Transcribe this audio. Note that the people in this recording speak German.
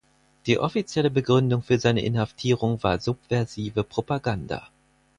Die offizielle Begründung für seine Inhaftierung war subversive Propaganda.